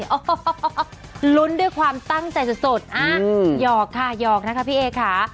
โอ้หยุดด้วยความตั้งใจสุดอ้าวยอกค่ะยอกนะคะพี่เอค่า